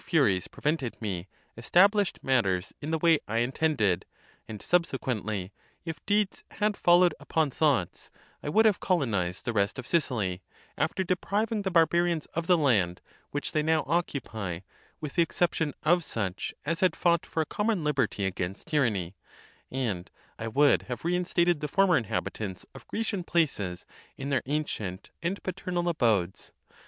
furies prevented me, established matters in the way I intended ; and subsequently, if deeds had followed upon thoughts, I would have colonized the rest of Sicily, after depriving the Barbarians of the land which they now occupy, with the exception of such as had fought for a common liberty against tyranny ; and [would have reinstated the former inhabitants of Grecian places in their ancient and paternal abodes.